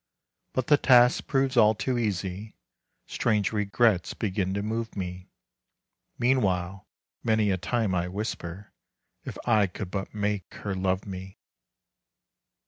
But the task proves all too easy, Strange regrets begin to move me. Meanwhile many a time I whisper: "If I could but make her love me!"